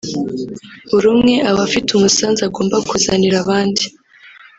buri umwe aba afite umusanzu agomba kuzanira abandi